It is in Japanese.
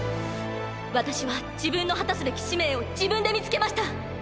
私は自分の果たすべき使命を自分で見つけました。